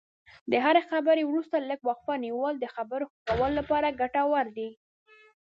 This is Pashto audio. د هرې خبرې وروسته لږه وقفه نیول د خبرو ښه کولو لپاره ګټور دي.